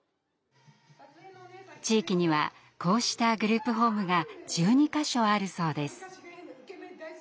地域にはこうしたグループホームが１２か所あるそうです。